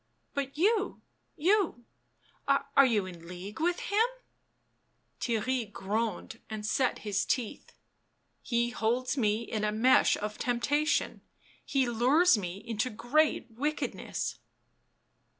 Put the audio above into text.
" But you — you Are you in league with him ?" Theirry groaned and set his teeth. " He holds me in a mesh of temptation — he lures me into great wickedness."